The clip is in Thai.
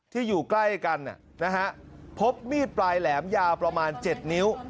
อยู่ใกล้กันนะฮะพบมีดปลายแหลมยาวประมาณ๗นิ้ว